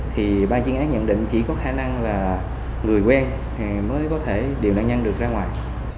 thì ban chuyên án nhận định chỉ có khả năng là người quen mới có thể điều nạn nhân được ra ngoài